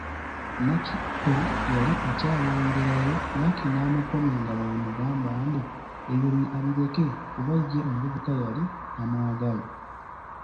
Nakitto yali akyayongerayo Lucky n’amukomya nga bw’amugamba mbu ebyo abireke kuba ye omuvubuka ye yali tamwagala.